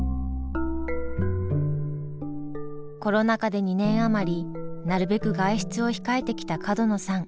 コロナ禍で２年余りなるべく外出を控えてきた角野さん。